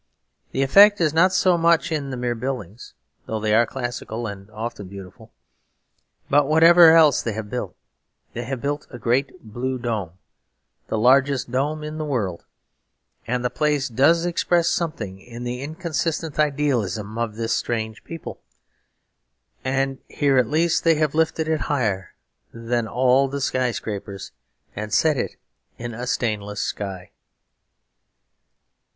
The effect is not so much in the mere buildings, though they are classical and often beautiful. But whatever else they have built, they have built a great blue dome, the largest dome in the world. And the place does express something in the inconsistent idealism of this strange people; and here at least they have lifted it higher than all the sky scrapers, and set it in a stainless sky.